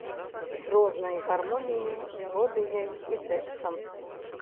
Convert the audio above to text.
З рознай гармоніяй, мелодыяй і тэкстам.